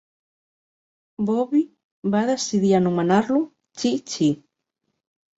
Bobbi va decidir anomenar-lo "Chi-Chi".